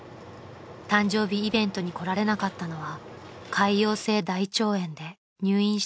［誕生日イベントに来られなかったのは潰瘍性大腸炎で入院したためでした］